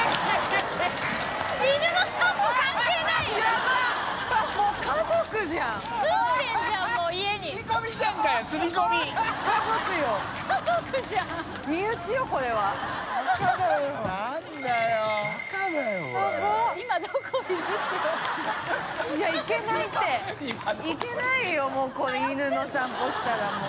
圓韻覆いもうこれ犬の散歩したらもう。